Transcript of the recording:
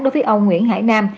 đối với ông nguyễn hải nam